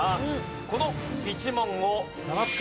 この１問をザワつく！